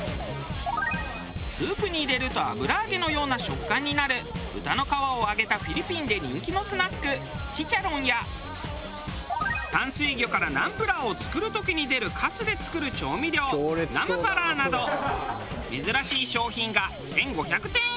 スープに入れると油揚げのような食感になる豚の皮を揚げたフィリピンで人気のスナックチチャロンや淡水魚からナンプラーを作る時に出るかすで作る調味料ナムパラーなど。